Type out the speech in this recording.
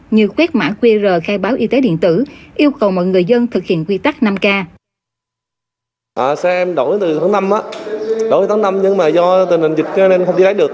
như quét mã qr khai báo y tế điện tử yêu cầu mọi người dân thực hiện quy tắc năm k